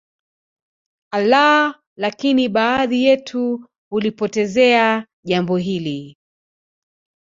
Allah lakini baadhi yetu hulipotezea Jambo hili